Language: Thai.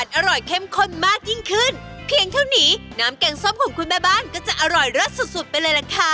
เชฟเราใส่เกลือเยอะไหมจริงแล้ว